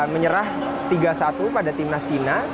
menyerah tiga satu pada timnas china